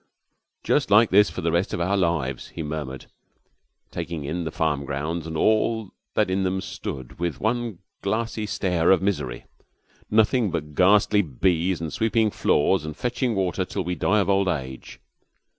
'Just like this for the rest of our lives!' he murmured, taking in the farm grounds and all that in them stood with one glassy stare of misery. 'Nothing but ghastly bees and sweeping floors and fetching water till we die of old age!